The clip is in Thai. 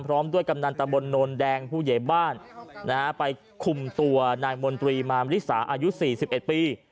พร้อมด้วยกำนันตะบนโนนแดงผู้ใหญ่บ้านไปคุมตัวนายมนตรีมามริสาอายุ๔๑ปี